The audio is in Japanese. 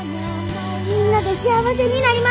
みんなで幸せになります！